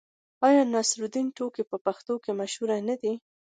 آیا د نصرالدین ټوکې په پښتنو کې مشهورې نه دي؟